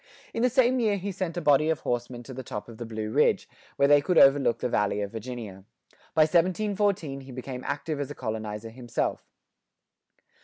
In the same year he sent a body of horsemen to the top of the Blue Ridge, where they could overlook the Valley of Virginia.[90:1] By 1714 he became active as a colonizer himself.